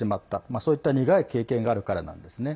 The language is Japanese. そういった苦い経験があるからなんですね。